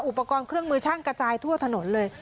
อุปกรณ์เครื่องมือช่างกระจายทั่วถนนเลย